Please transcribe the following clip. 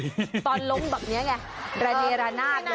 ตอนลงแบบนี้ไงระเนราหน้าเกิน